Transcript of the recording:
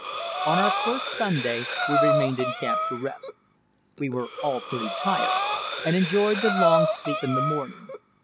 On our first Sunday out we remained in camp to rest. We were all pretty tired, and enjoyed the long sleep in the morning.